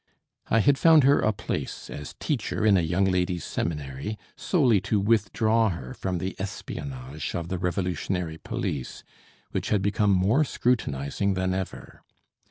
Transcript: I had found her a place as teacher in a young ladies' seminary solely to withdraw her from the espionage of the revolutionary police, which had become more scrutinizing than ever.